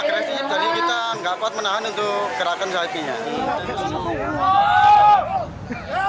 jadi kita nggak kuat menahan untuk gerakan sapinya